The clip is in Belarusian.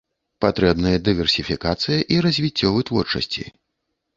Патрэбная дыверсіфікацыя і развіццё вытворчасці.